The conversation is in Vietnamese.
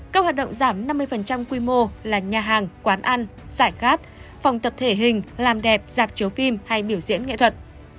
các hoạt động giảm năm mươi quy mô là nhà hàng quán ăn giải khát phòng tập thể hình làm đẹp dạp chiếu phim hay biểu diễn nghệ thuật